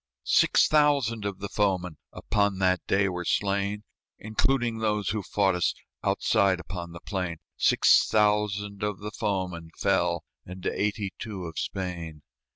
Six thousand of the foemen Upon that day were slain, Including those who fought us Outside upon the plain Six thousand of the foemen fell, And eighty two of Spain.